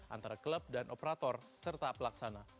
antara klub dan operator serta pelaksana